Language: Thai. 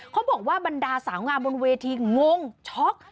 เขาบอกว่าบรรดาสาวงามบนเวทีงงช็อก